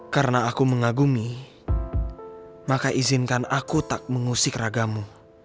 karena aku mengagumi maka izinkan aku tak mengusik ragamu